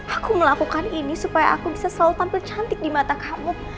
aku melakukan ini supaya aku bisa selalu tampil cantik di mata kamu